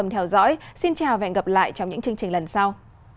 hẹn gặp lại trong những chương trình lần sau